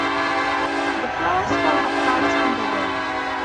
The flowers fall apart in the rain.